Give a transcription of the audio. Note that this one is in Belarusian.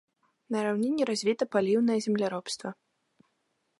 На раўніне развіта паліўнае земляробства.